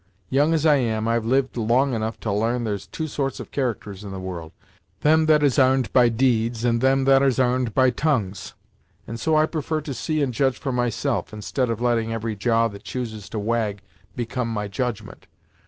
Young as I am, I've lived long enough to l'arn there's two sorts of characters in the world them that is 'arned by deeds, and them that is 'arned by tongues, and so I prefar to see and judge for myself, instead of letting every jaw that chooses to wag become my judgment.